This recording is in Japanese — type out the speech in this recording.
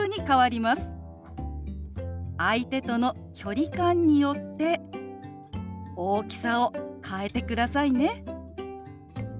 相手との距離感によって大きさを変えてくださいね。